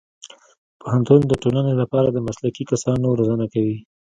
پوهنتون د ټولنې لپاره د مسلکي کسانو روزنه کوي.